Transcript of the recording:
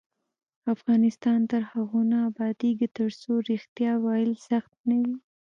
افغانستان تر هغو نه ابادیږي، ترڅو ریښتیا ویل سخت نه وي.